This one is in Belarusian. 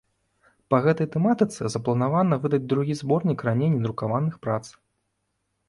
Па гэтай тэматыцы запланавана выдаць другі зборнік раней не друкаваных прац.